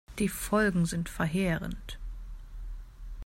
Die Folgen sind verheerend.